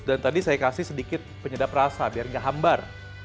dan tadi saya kasih sedikit penyedap rasa biar nggak hambar